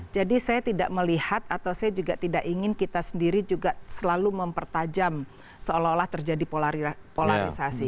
jadi saya tidak melihat atau saya juga tidak ingin kita sendiri juga selalu mempertajam seolah olah terjadi polarisasi